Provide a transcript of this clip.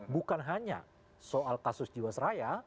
bukan hanya soal kasus jiwa seraya